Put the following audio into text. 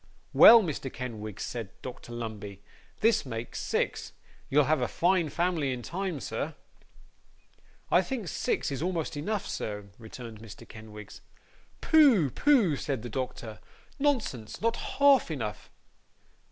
'Well, Mr. Kenwigs,' said Dr Lumbey, 'this makes six. You'll have a fine family in time, sir.' 'I think six is almost enough, sir,' returned Mr. Kenwigs. 'Pooh! pooh!' said the doctor. 'Nonsense! not half enough.